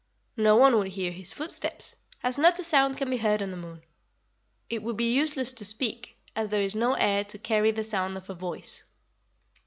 No one would hear his footsteps, as not a sound can be heard on the moon. It would be useless to speak, as there is no air to carry the sound of a voice."